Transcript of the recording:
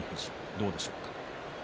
どうでしょうか。